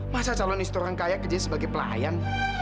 masa calon istoran kaya kerjanya sebagai pelayan